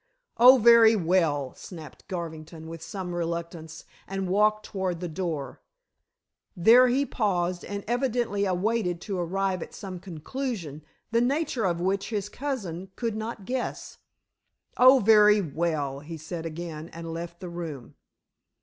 "Oh, very well," snapped Garvington, with some reluctance, and walked toward the door. There he paused, and evidently awaited to arrive at some conclusion, the nature of which his cousin could not guess. "Oh, very well," he said again, and left the room.